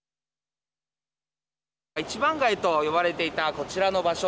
一番街と呼ばれていたこちらの場所。